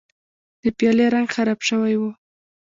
د پیالې رنګ خراب شوی و.